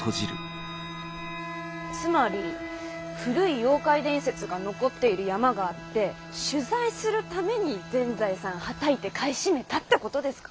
つまり古い妖怪伝説が残っている山があって取材するために全財産はたいて買い占めたってことですか？